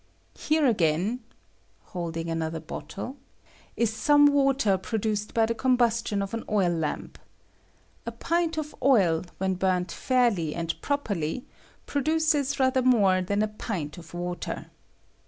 Ilere again [holding another bottle] is some water produced bj the combustion of an oddamp. A pint of od, when burnt fairly and properly, produces rather more than a pint of water.